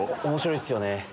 おもしろいっすよね。